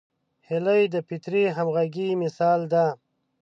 هیلۍ د فطري همغږۍ مثال ده